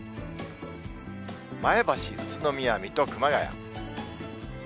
前橋、宇都宮、水戸、熊谷。